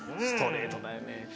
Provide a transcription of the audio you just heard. ストレートだよね。